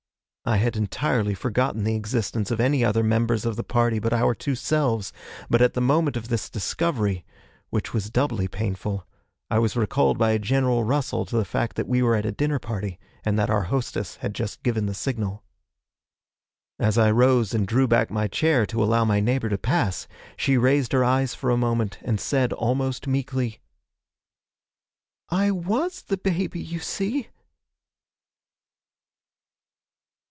I had entirely forgotten the existence of any other members of the party but our two selves, but at the moment of this discovery which was doubly painful I was recalled by a general rustle to the fact that we were at a dinner party, and that our hostess had just given the signal. As I rose and drew back my chair to allow my neighbour to pass, she raised her eyes for a moment and said almost meekly: 'I was the baby, you see!'